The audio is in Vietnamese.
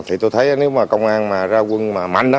thì tôi thấy nếu mà công an mà ra quân mà mạnh